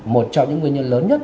một trong những nguyên nhân lớn nhất